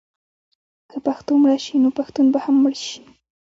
که پښتو مړه شي نو پښتون به هم مړ شي.